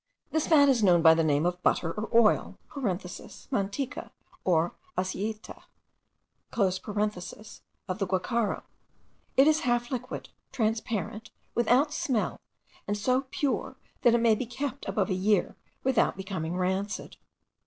This fat is known by the name of butter or oil (manteca, or aceite) of the guacharo. It is half liquid, transparent, without smell, and so pure that it may be kept above a year without becoming rancid.